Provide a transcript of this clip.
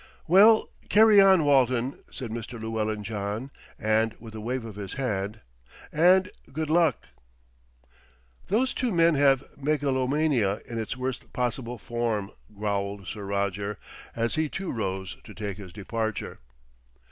"Well, carry on, Walton," said Mr. Llewellyn John and, with a wave of his hand, "and good luck." "Those two men have megalomania in its worst possible form," growled Sir Roger, as he too rose to take his departure.